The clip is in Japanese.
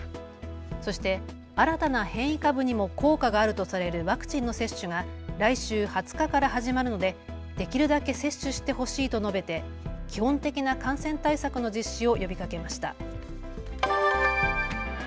そして新たな変異株にも効果があるとされるワクチンの接種が来週２０日から始まるのでできるだけ接種してほしいと述べて基本的な感染対策の実施を呼びかけました。